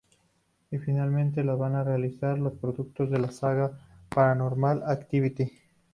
Y finalmente la van a realizar los productores de la saga "Paranormal activity.